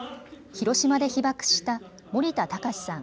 広島で被爆した森田隆さん